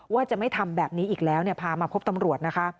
ว่าจะไม่ทำแบบนี้อีกแล้วพามาพบตำรวจนะคะ